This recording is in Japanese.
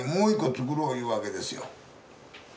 つくろういうわけですよ。